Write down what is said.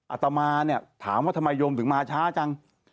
อาตมาเนี่ยถามว่าทำไมโยมถึงมาช้าจัง